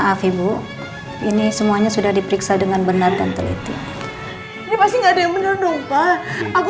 karena saya merasa saya benar benar sakit ini dok